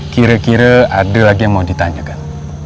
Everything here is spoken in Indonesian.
kira kira ada lagi yang mau ditanyakan